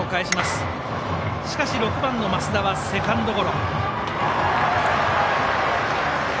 しかし６番の増田はセカンドゴロ。